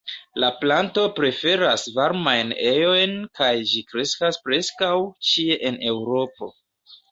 La planto preferas varmajn ejojn kaj ĝi kreskas preskaŭ ĉie en Eŭropo.